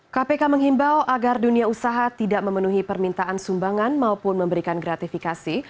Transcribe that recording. kpk menghimbau agar dunia usaha tidak memenuhi permintaan sumbangan maupun memberikan gratifikasi